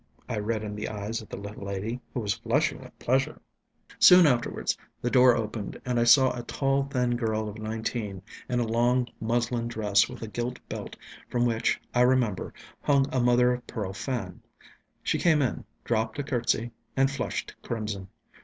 I read in the eyes of the little lady, who was flushing with pleasure. Soon afterwards the door opened and I saw a tall, thin girl of nineteen, in a long muslin dress with a gilt belt from which, I remember, hung a mother of pearl fan. She came in, dropped a curtsy, and flushed crimson.